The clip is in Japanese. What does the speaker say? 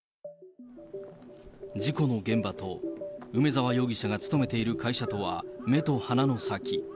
事故の現場と梅沢容疑者が勤めている会社とは目と鼻の先。